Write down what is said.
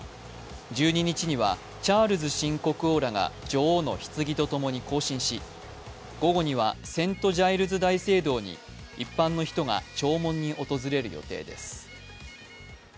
１２日にはチャールズ新国王らが女王のひつぎとともに行進し午後にはセント・ジャイルズ大聖堂に一般の人が弔問に訪れる予定です。